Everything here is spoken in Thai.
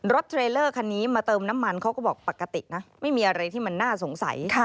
เทรลเลอร์คันนี้มาเติมน้ำมันเขาก็บอกปกตินะไม่มีอะไรที่มันน่าสงสัย